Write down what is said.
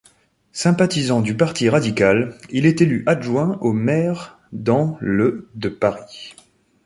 Sympathisant du Parti radical, il est élu adjoint au maire dans le de Paris.